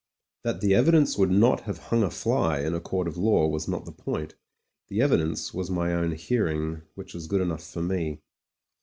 That the evidence would not have hung a fly in a court of law was not the point; the evidence was my own hearing, which was good enough for me.